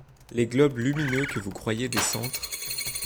Les globes lumineux que vous croyez des centres